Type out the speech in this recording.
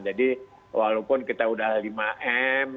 jadi walaupun kita udah lima m